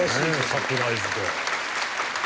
サプライズで。